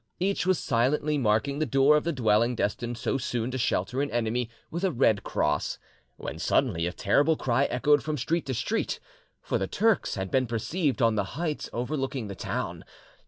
Each was silently marking the door of the dwelling destined so soon to shelter an enemy, with a red cross, when suddenly a terrible cry echoed from street to street, for the Turks had been perceived on the heights overlooking the town.